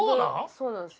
そうなんですよ。